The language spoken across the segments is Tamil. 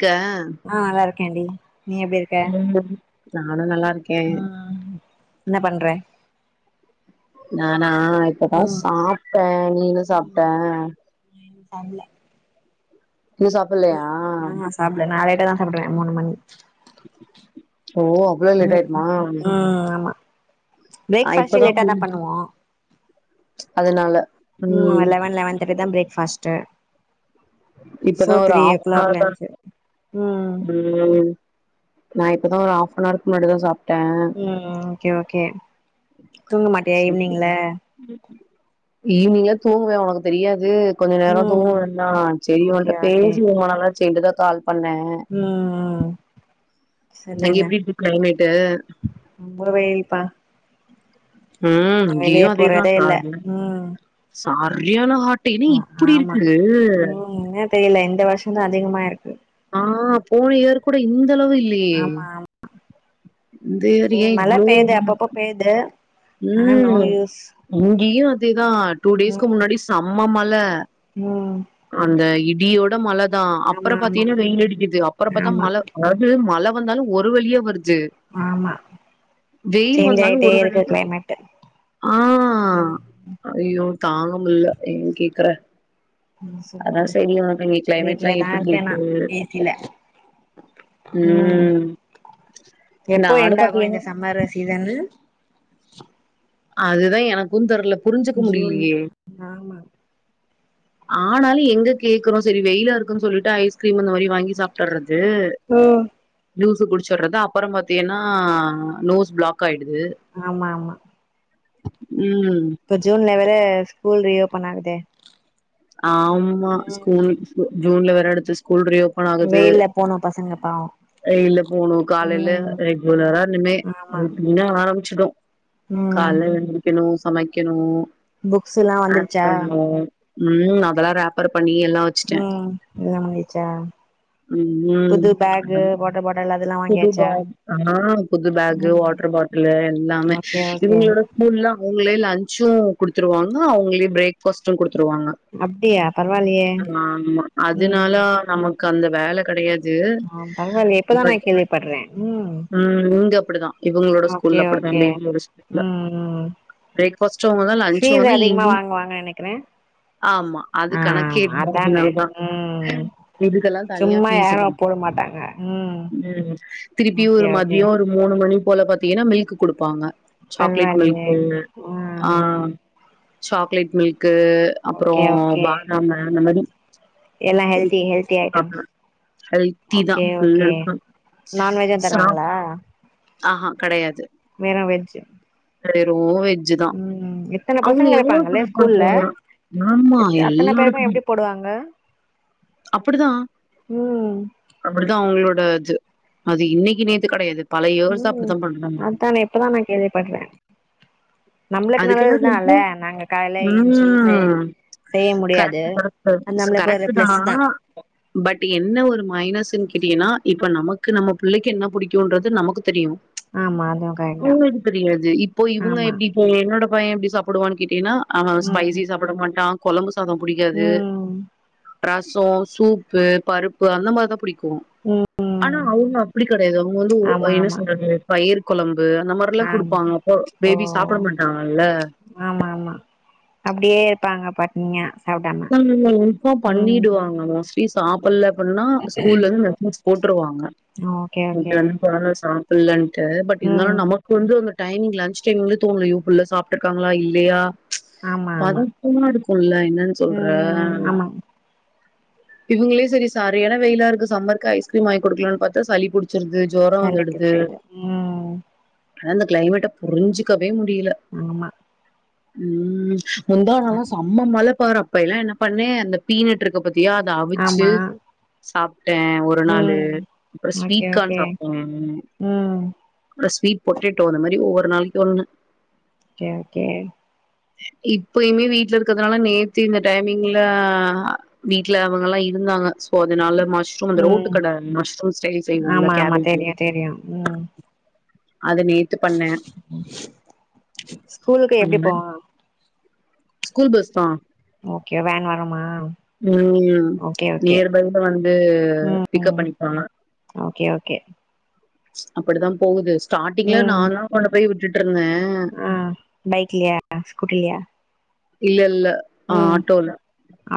க ஆ நல்லாருக்கேன் டி நீ எப்டி இருக்க ம் நானு நல்லா இருக்கே ம் என்ன பண்ற நானா இப்பதா ம் சாப்ட்டே நீ என்ன சாப்ட்ட நா இன்னு சாப்பல இன்னு சாப்பல்லையா சாப்ல நா லேட்டா தா சாப்டுவே மூணுமணி ஓ அவ்வொளு லேட் அயுட்டுமா பிரேக் ஃபாஸ்ட் இப்பதா லேட்டா தா ம் பண்ணுவோ ம் லெவன் லெவன்தேர்டி தா ப்ரேக் ஃபாஸ்ட்டூ சோ இப்பதா ஒரு த்ரீ ஓ கிளாக்கு ஹாஃப்னவர்தா லஞ்ச் ம் ம் நா இப்பதா ஒரு ஹாப்ன்ருக்கு முன்னாடிதா சாப்ட்டே ம் ஓகே ஓகே தூங்க மாட்டியா ஈவினிங்ல ஈவினிங்கல்லா தூங்குவே உனக்கு தெரியாது கொஞ்ச நேரோ ம் தூங்கவேண்டா செரி ஓகே உன்கிட்ட ஓகே பேசி ரொம்பநாள் ஆச்சுட்டுதா கால் பண்ணே ம் ம் சொல்லுங்க கிளம்பிட்டு ரொம்ப வெயில்ப்பா ம் நா இங்கேயு வெளிய அதேதா போறதே இல்ல ம் சரியான ஹாட்டு என்னா இப்படி இருக்கு தெரியல இந்த வருஷோ தா அதிகமா இருக்கு ஆ போன இயர் கூட இந்த அளவு இல்லையே ஆமா ஆமா இந்த இயர் ஏ மழை இவ்ளோ பெயுது அப்பப்போ பெய்யுது ம் இங்கேயு அதேதா டூ டேஸ்கு ம் முன்னாடி செம்ம மழ ம் அந்த இடியோட மழ தா அப்புறோ ஆமா ஆமா பாத்தீங்கன்னா வெயில் அடிக்கிது அப்புறோ பாத்தா ஆமா மழ அதாவது மழ வந்தாலு ஒரு வழிய வருது ஆமா வெயில் சேஞ்ச் வந்தாலு ஆயிட்டே ஒரு இருக்கு வழியா க்ளைமேட்டு ஆ ஐயய்யோ தாங்க முல்ல ஏன் கேக்குற என்ன அதா சொல்றது சரி உனக்கு நீ க்ளைமேட்லா வீட்லதா எப்படி இருக்கே நா இருக்கு ஏ சி ல ம் எப்போ நானு எண்ட் ஆகு இந்த பாத்திலேனு சம்மர் சீசனு அதுதா எனக்கு தெர்ல புரிஞ்சுக்க ஜூன் முடிலியே ஆமா ஆனாலு எங்க கேக்குறோ சரி வெயிலா இருக்குன் சொல்லிட்டு ஐஸ்கிரீம் அந்த மாரி வாங்கி சாப்ட்டுறது ம் ஜூஸ் குடிச்சட்றது அப்பறோ பாத்தீங்கன்னா நோஸ் ப்ளாக் ஆயிடுது ஆமா ஆமா ம் ப்ப ஜூன் வேறே ஸ்கூல் ரீஓபன் ஆகுதே ஆம்மா ம் ஸ்கூல் ஜூன்ல வேற அடுத்து ஸ்கூல் ரியோ வெயில்ல போனு பசங்கப் பாவ் வெயில போகணு காலையில ரெகுலரா இனிமே ஆமா இன்னமே ஆரம்பிச்சுடு ம் கால்ல எந்திரிக்கணு சமைக்கணு புக்ஸ்ல்லா பேக் வந்துருச்சா பண்னு ம் அதெல்லா ரேபர் பண்ணி எல்லா வச் ம் எல்லாம் ஆயிட்ச்சா ம் ம் அத பாட்டில் அதெல்லா புது வாங்கியாச்சா பேக் ஆ புது பேக்கு ம் வாட்டர் பாட்டுலு எல்லாமே ஓகே ஓகே இவங்களோட ஸ்கூல்ல அவங்களே லன்ச்சு குடுத்துருவாங்க அவங்களே ப்ரேக்ஃபாஸ்ட்டு குடுத்துருவாங்க அப்டியா பரவாயில்லையே ஆமா அதனால ம் நமக்கு அந்த வேல கெடையாத் ஆ பரவால்லையே இப்பதா நா கேள்வி பட்றே ம் ம் இங்க அப்டிதா இவங்களோட அ ஓகே ஸ்கூல்ல அப்டிதா ஓகே டெய்லியோட ஸ்கூல்ல ம் ம் பிரேக்ஃபாஸ்ட்டு அவங்கதா லன்ச்சு ஃபீஸ் அவங்கதா அதிகமா ஈவினிங் வாங்குவாங்க நெனைக்கிறே ஆமா அது ஆ கணக்கே ஆமா இல்ல அதானே அதனாலதா ம் இதுக்கெல்லா தனியா சும்மா ஃபீஸு யாரு பண் போட மாட்டாங்க ம் ம் திருப்பியு ஓகே ஒரு ஓகே மதியோ ஒரு மூணு மணி போல பாத்தீங்கன்னா மில்க்கு குடுப்பாங்க சாக்லேட் பரவாயில்லையே மில்க்கு ஆ சாக்லேட் மில்க்கு அப்றோ ஓகே ஓகே பாதாம்மு அந்த மாதி எல்லா ஹெல்தி ஹெல்தி ஐட்டம்ஸ் [unintelligible] ஹெல்த்தி தா okay full okay and full non veg சாப் தருவாங்களா ஆஹா கெடையாது மேறா வெஜ்ஜு [unintelligible] வெஜ் ஜூதா இத்தன அவுங்க பசங்க எவ்ளோ இருப்பாங்கல்ல ஸ்கூல்ல [unintelligible] ஆமா அத்தன பேருக்கு எல்லாருக்குமே எப்டி போடுவாங்க அப்படிதா ம் அப்படிதா அவங்களோட அது அது இன்னைக்கு நேத்து கெடையாது பல இயர்சா ம் அப்படிதா பன்றாங்க அதானே இப்பதா நா கேள்விப்பட்றே நம்மளுக்கு அதுக்கெல்லா நல்லதுதா இல்ல சொல்லிட்டு நாங்க காலைல என்ச்சி செய் ம் செய்ய முடியாது கரெக்ட் அது கரெக்ட் நம்ளுக்கு ஒரு கரெக்ட் ப்ளஸ்ஸு தா பட் என்ன ஒரு மைனஸுன் கேட்டீங்கன்னா இப்ப நமக்கு நம்ம பிள்ளைக்கு என்ன பிடிக்குன்றது நமக்கு தெரியு ஆமா அதுவு கரெக்ட் தா அவுங்களுக்கு தெரியாது இப்போ இவங்க ஆமா எப்டி ஹே என்னோட பையன் எப்டி சாப்டுவான் கேட்டீங்கன்னா அவ ம் ஸ்பைசி சாப்பட மாட்டா கொழம்பு சாதோ புடிக்காது ம் ரசோ சூப்பு பருப்பு அந்த மாறிதா புடிக்கு ம் ஆனா அவுங்க அப்டி கெடையாது அவுங்க வந்து அ ஆமா என்ன ஆமா சொல்றது பயிர் கொழம்பு அந்த மா றில்லா ஆமா குடுப்பாங்க போ ஓ பேபி சாப்ட மாட்டாங்கல்ல ஆமா ஆமா அப்டியே இருப்பாங்க பட் னியா சாப்பிடாம ஆனா நம்மள இன்ஃபார்ம் பண்ணிடுவாங்க மோஸ் ட்லி சாப்புல அப்டின்னா ஸ்கூல்ல இருந்து மெசேஜ் போட்டுருவாங்க ஓகே ஓகே மதியான கொழந்த சாப் பிள்ளன்ட்டு பட் ம் இருந்தாலும் நம க்கு வந்து அந்த டைமிங் லன்ச் டைமிங்ந்து தோணுது அயோ புள்ள சாப்பிட்டு இருக்காங்களா இல்லையா ஆமா ஆமா பதட்டமா இருக்குல்ல என்னன்னு சொல்ற ம் ஆமா இவுங்களே செரி சரியான வெயிலா இருக்கு சம்மருக்கு ஐஸ்கிரீம் வாங்கி குடுக்கலன்னு பாத்தா சளிபுடிச்சிருது சண்டே டு ஃப்ரைடே ம் ஆனா இந்த கிளைமேட்ட புரிஞ்சுக்கவே முடியல ஆமா உம் அ முந்தானல்லாம் செம்ம மழ பாரு அப்ப எல்லா என்ன பண்ணே அந்த பீனட்டு இருக்கு பத்தியா அதை அவிச்சு ஆமா சாப்ட்டே ஒரு ஒரு நாளு ம் அப்புற ஸ்வீட ஓகே கான் ஓகே சாப்ட்டோ ம் அப்றோ ஸ்வீட் பொட்டேடோ அந்த மாதிரி ஒவ்வொரு நாளைக்கு ஒன்ணு கே கே இப்பயுமே வீட்ல இருக்கறதுனால நேத் தி இந்த டைமிங்ல அ வீட்ல அவுங்கல்லா இருந்தாங்க சோ அதுனால மஷ் ரூம் அந்த ரோட்டு ம் கட மஷ்ரூம் ஸ்டைல் செய்வோல்ல ஆமா ஆமா கேபேஜ்ல தெரியு தெரியு ம் அது நேத்து பண்ணே ஸ்கூலுக்கு எப்டி அந்தமாரி போவா ஸ்கூல் பஸ்தா ஓகே வேன் வருமா உம் ஓகே ஓகே நியர்பைல வந்து பிக்கப் பண்ணிப்பாங்க ஓக்கே ஓக்கே அப்படித்தா போகுது ஸ்டார்ட்டிங்ல நா ம் தா கொண்டு போய் விட்டுட்டு இருந்தே ஆ பைக்லையா ஸ்கூட்டிலேயா ஆ இல்ல இல்ல ஆ உம் ஆட்டோல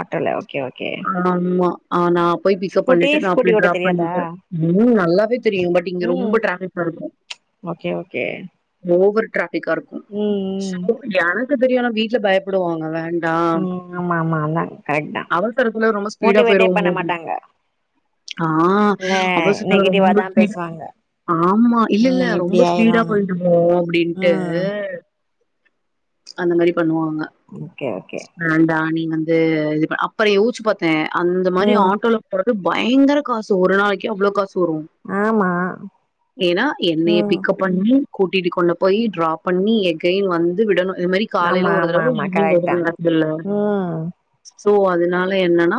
ஆட்டலே ஓக்கே ஓக்கே நம்ம ஆனா போய் பிக்ப் பண்ணிட்டு நா ஸ்கூட்டி போய் ஓட்ட டிராப் தெரியாதா பண்ணிட்டு உம் நல்லாவே தெரியு பட் இங்க ரொம்போ டிராபிக் நடக்கு ஓக்கே ஓக்கே ஒவர் ட்ரபிக்கா இருக்கு உம் ம் எனக்கு தெரியும்னா வீட்டுல பயப்படுவாங்க வேண்டா ம் ம் ஆமா ஆமாா அந்தாங்க அவசரத்துல ரொம்போ ஸ்பீடா போயிருவோமோ மாட்டாங்க ஆ இல்ல அவசரோ நெகட்டிவா ரொம்ப தா ஸ்பீடா பேசுவாங்க ஆமா இல்ல இல்ல ம் இப்டி ரொம்போ ஸ்பீடா ஆயிருனு போயட்டோமோ அப்படின்ட்டு ம் அந்த மாரி பண்ணுவாங்க ஓக்கே ஓக்கே வேண்டா நீ வந்து இது அப்புறோ யோச்சு பாத்தே அந்த மாரி ம் ஆட்டோல போரது பயங்கர காசு ஒரு நாளைக்கு அவ்வளோ காசு வரு ஆமா ஏன்னா என்னைய ம் பிக்க பண்ணி கூட்டிட்டு கொண்டு போய் டிராப் பண்ணி எகைன் வந்து விடணு காலையில ஆமா ஒரு ஆமா தடவ ஆமா ஈவனிங் கரெக்ட் ஒருல தா [unintelligible] ம் சோ அதனால என்னன்னா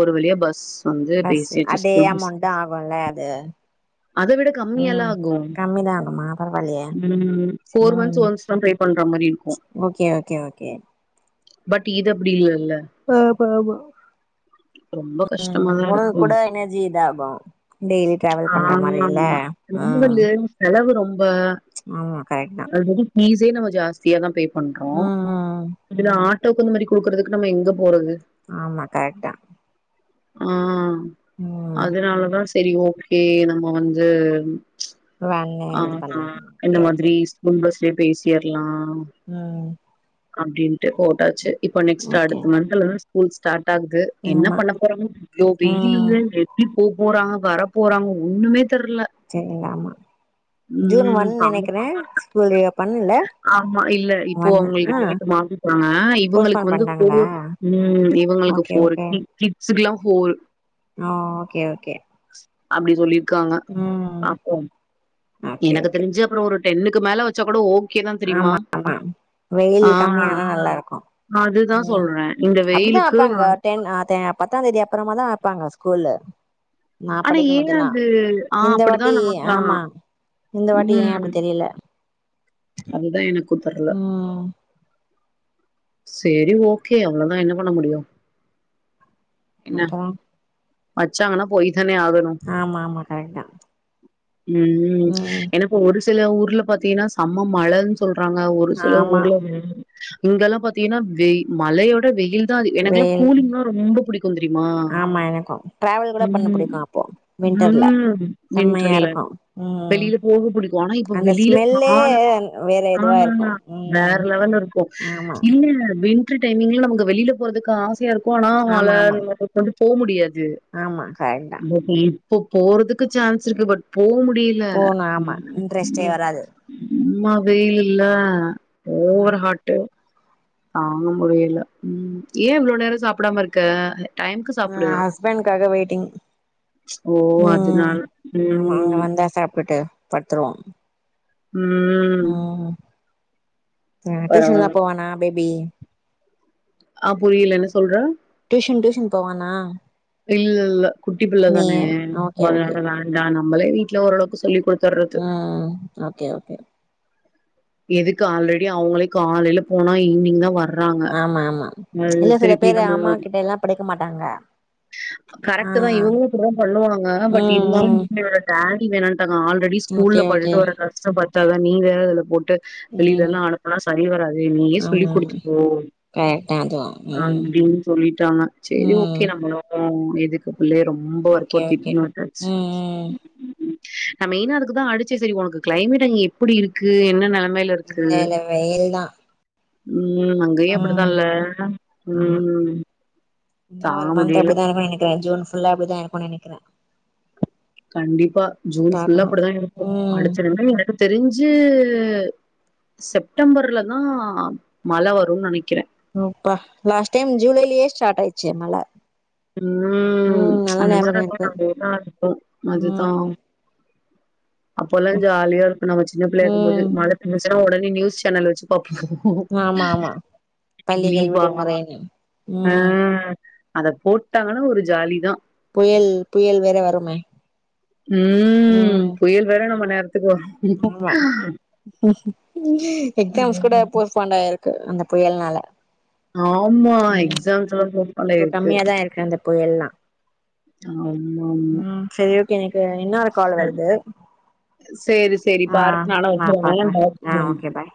ஒரு வளியா பஸ் வந்து பஸ் பேசியாச்சு அதே ஸ்கூல் பஸ் அமௌண்ட ஆகுல அது அத விட கம்மியல்லா ம் ஆகு கம்மி தா ஆகுமா பரவாயில்லையே போர் மந்த்ஸ் ம் ஒன்ஸ் டரை பண்ற மாரி இருக்கு ஓகே ஓகே ஓகே பட் இது அப்படி இல்லல்ல ஆமாமா ரொம்ப ம் கஷ்டமாதா உனக்கு இருக்கு கூட எனர்ஜி இதாகும் டெய்லி டிராவல் பண்ற மாரில்ல இது வந்நு செலவு ரொம்ப ஆமா கரெக்ட்டு தா ஆல்ரெடி ஃபீஸே நம்ம ஜாஸ்தியாதா பே பண்றோ ம் இதுல ஆட்டோக்கு இந்த மாரி குடுக்குறதுக்கு நம்ம எங்க போறது ஆமா கரெக்ட் தா ஆ ம் அதனாலதா செரி ஓக்கே நம்ம வந்து வேன்னு ஆ இது பண்ணாங்க இந்த ஓகே ஓகே மாதிரி ஸ்கூல் பஸ்லயே போய் சேரலா உம் அப்டின்ட்டு போட்டாச்சு இப்ப நெக்ஸ்ட் ஓகே அடுத்த மன்ந்த்லருந்து ஸ்கூல் ஸ்டார்ட் ஆகுது என்ன ஆமா பண்ண போறாங்க ஐயோ ம் வெயிலு எப்டி போ போறாங்க வர போறாங்க ஒண்ணுமே தெர்ல [unintelligible] ஆமா ஜூன் ம் ஒன்னு பாவோ நெனைக்கிறே ஸ்கூல் ரீ ஓப்பண் ஆமா இல்ல இப்போ அவங்களுக்கு ஜுன் மாசோதா இவங்களுக்கு போஸ்ட்போன் வந்து பண்ட்டாங்களா போர் உம் இவங்களுக்கு ஓகே போரு கிட்ஸுக்கு கிட்ஸுக்கு எல்லாம் போரு ஓ ஓக்கே ஓக்கே அப்படி சொல்லியிருக்காங்க அப்போ ஓகே எனக்கு ஓகே தெரிஞ்சு அப்றோ ஒரு டென்னுக்கு மேல வச்சா கூட ஓகே தா தெரியுமா ஆமா ஆமா ஆ வெயில் கம்மியானா நல்லா இருக்கு அதுதா ம் சொல்ற இந்த அப்டிதா வெயிலுக்கு வப்பாங்க நான் டென் ஆதேன் பத்தாம் தேதி அப்புறமா தா வப்பாங்க ஸ்கூலு நா ஆனா ஏ படிக்கும்போதுல்லா அது ஆ இந்த அப்டிதா வாட்டி நமக்குலா ஆமா இந்த வாட்டி ஏன் ம் அப்டி தெரியில அதுதா எனக்கும் தெர்ல ம் சேரி ஓகே அவ்ளதா என்ன பண்ண முடியும் அப்பறம் வச்சாங்கனா போயிதான ஆகணும் ஆமா ஆமா கரெக்ட் தா ம் ம் ஏனா போ ஒரு சில ஊர்ல பாத்தீங்கன்னா செம்ம மழனு சொல்றாங்க ஒரு சில ஆமா ஊர்ல இங்கெல்லா பாத்தீங்கன்னா வெயி மழையோட வெயில் தாது எனக்குல்லா வெயில் கூலிங்னா ரொம்ப புடிக்கும் தெரியுமா மா எனக்கும் ம் ம் செம்மையா நின்றல இருக்கு ம் வெளில போக பிடிக்கும் ஆனா இப்ப அந்த வெளில ஸ்மெல்லே கால வேற ஆ இதுவா இருக்கு ம் வேற லெவல்ல இருக்கும் ஆமா இல்ல இல்ல வெளி ட்ற டைமிங்ல நமக்கு வெளில போறதுக்கு ஆசையா இருக்கும் ஆனா ஆமா நம்மாள ஆமா அவ்ங்கள கொண்டு போ முடியாது ஆமா க பட்டு இப்ப போறதுக்கு சான்ஸ் இருக்கு பட் போ முடி இல்ல போணு ஆமா ம் இன்ட்ரெஸ்ட்டே வராது இம்மா வெயில் இல்ல ஓவர் ஹாட்டு தாங்க முடியல ம் ஏன் இவ்ளோ நேரம் சாப்படாம இருக்க டைம்க்கு சாப்டு ய ஹஸ்பண்ட்க்காக வெயிட்டிங் ஓ ம் அதுனால ஆமா அவங்க ம் வந்தா சாப்ட்டுட்டு படுத்துருவோம் ம் ம் அ பரவா டியூஷன்லாம் போவானா பேபி ஆ புரியல என்ன சொல்ற டியூஷன் டியூஷன் போவானா இல்ல குட்டி புள்ள நீ தான ஓகே ஓகே அதனால வேண்டாம் நம்மளே வீட்டுல ஓரளவுக்கு சொல்லி் கொடு ம் ஓகே ஓகே எதுக்கு ஆல்ரெடி அவங்களே காலையில போனா ஈவினிங் தா வர ஆமா ஆமா இல்ல சில பேரு நம்ம அம்மா கிட்ட எல்லாம் படிக்க மாட்டாங்க ஆ கரெக்ட் தான் இவங்களும் இப்டி தா பண்ணுவாங்க பட் ம் இருந்தாலும் ம் புள்ளையோட டாடி வேணாட்டாங்க ஆல்ரெடி ஓகே ஸ்கூல்ல ஓகே பட்டுட்டு வர கஷ்டோ பத்தாதா நீ வேற இதுல போட் வெளில ம் எல்லாம் அனுப்னா சரி வராது நீயே சொல்லி் ஆமா ஆமா கொடுத்துகோ கரெக்ட் தா அதுவு ம் அப்டின் சொல்லிட்டாங்க சேரி ஓகே ம் நம்மளோட எதுக்கு புள்ளய ரொம்ப ஓகே வற்புருத்தி ஓகே வுட்டாச்சி ம் ம் நா மெய்னா அதுக்குதா அடிச்ச சரி ஒனக்கு கிளைமேட் அங்க எப்டி இருக்கு என்னனலா இல்ல இல்ல வெயில் தா ம் அங்கயு ம் அப்படித்தால்ல ஆமா ம் இன்னு ஒரு தாங்க மந்த் முடியல அப்டிதா இருக்கு நெனைக்கற ஜூன் ஃபுல்லா அப்டிதா இருக்குன் நெனைக்கற கண்டிப்பா ஜூன் ஃபுல்லா அப்படிதா இருக்கு ம் அடுத்த [unintelligible] தெரிஞ்சு செப்டம்பர்ல்ல தா மழ வருனு நெனைக்கற ம் பா லாஸ்ட் டைம் ஜூலைலேயே ஸ்டார்ட் ஆயிச்சே மழ ம் நல்லா அந்த ஞாபகோ மாரிதா இருக்கு [unintelligible] இதா இருக்கு ஆமா அதுதா அப்போல்லா ஜாலியா இருக்கு நம்ம ஜின்ன புள்ளையா இருக்கு போது ம் மழ பேஞ்சுச்சுனா ஒடனே நியூஸ் சேனல் வச்சு பாப் ஆமா ஆமா பள்ளிகள் க்லீபா விடுமுறைன்னு ம் அஹ் போட்டாங்கன்னா ஒரு ஜாலி தா புயல் புயல் வேற வருமே ம் புயல் வேற நம்ம நேரத்துக்கு வரு ஆமா எக்ஸாம்ஸ் கூட ம் போஸ் பாண்ட் ஆயிருக்கு அந்த புயல்னால ஆமா ம் எக்ஸாம்ஸ் எல்லா போஸ்ட்போன் இப்போ ஆயிருக்கு கம்மியாதா இருக்கு அந்த புயல்லா ஆமாம் ம் சரி ஓகே எனக்கு இன்னொரு கால் வருது சேரி சேரி ஆ பாரு நானு நா வச்சறே பாக்குறே பாய் ஆ ம் ஓகே பாய்